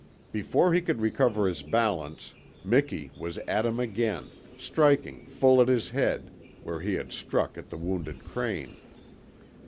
Before he could recover his balance Miki was at him again, striking full at his head, where he had struck at the wounded crane.